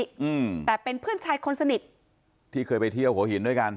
อืมแต่เป็นเพื่อนชายคนสนิทที่เคยไปเที่ยวหัวหินด้วยกัน